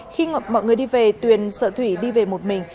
khi mọi người đi về tuyền sợ thủy đi về một mình